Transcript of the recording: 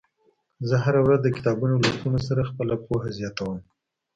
زه هره ورځ د کتابونو لوستلو سره خپله پوهه زياتوم.